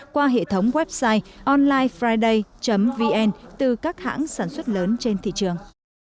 qua hệ thống website onlinefriday vn từ các hãng sản xuất lớn trên thị trường